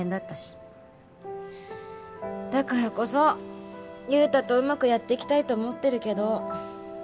だからこそ優太とうまくやっていきたいと思ってるけど。